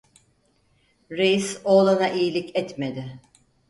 Reis, oğlana iyilik etmedi.